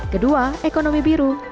kedua ekonomi biru